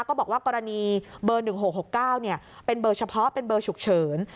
ก็บอกว่ากรณีเบอร์๑๖๖๙เป็นเบอร์เฉพาะเป็นเบอร์ฉุกเฉิน